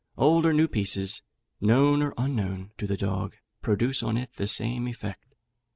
Old or new pieces, known or unknown to the dog, produce on it the same effect.